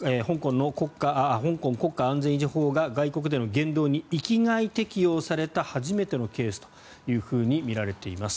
香港国家安全維持法が外国での言動に域外適用された初めてのケースとみられています。